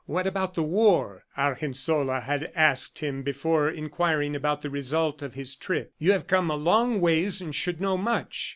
"What about the war?" Argensola had asked him before inquiring about the result of his trip. "You have come a long ways and should know much."